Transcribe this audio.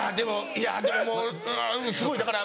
でももうすごいだから。